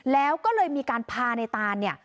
แล้วก็เลยมีการพาในตานเนี่ย